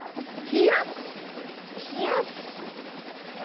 冷やす泡。